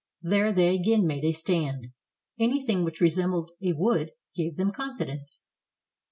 There they again made a stand; anything which resembled a wood gave them confidence.